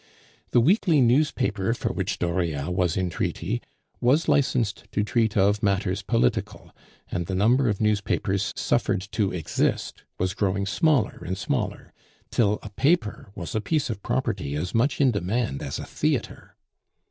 The weekly newspaper for which Dauriat was in treaty was licensed to treat of matters political, and the number of newspapers suffered to exist was growing smaller and smaller, till a paper was a piece of property as much in demand as a theatre.